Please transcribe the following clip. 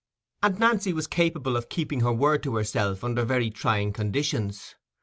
And Nancy was capable of keeping her word to herself under very trying conditions.